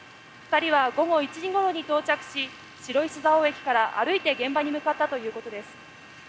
２人は午後１時ごろに到着し白石蔵王駅から歩いて現場に向かったということです。